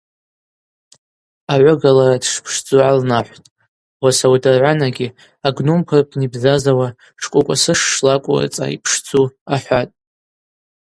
Агӏвыга лара дшпшдзу гӏалнахӏвтӏ, ауаса уадыргӏванагьи агномква рпны йбзазауа Шкӏвокӏвасыш шлакӏву рыцӏа йпшдзу ахӏватӏ.